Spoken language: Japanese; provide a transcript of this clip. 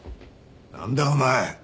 何だお前。